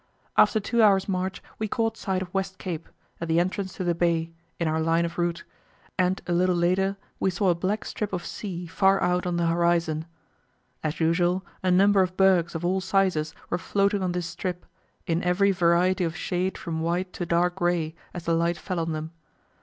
After two hours' march we caught sight of West Cape, at the entrance to the bay, in our line of route, and a little later we saw a black strip of sea far out on the horizon. As usual, a number of bergs of all sizes were floating on this strip, in every variety of shade from white to dark grey, as the light fell on them.